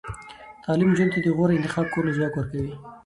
تعلیم نجونو ته د غوره انتخاب کولو ځواک ورکوي.